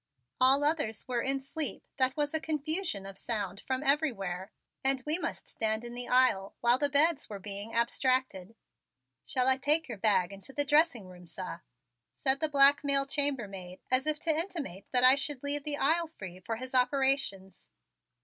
All others were in sleep that was a confusion of sound from everywhere and we must stand in the aisle while the beds were being abstracted. "Shall I take your bag into the dressing room, sah?" said the black male chamber maid as if to intimate that I should leave the aisle free for his operations.